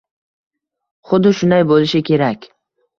xuddi shunday bo‘lishi kerak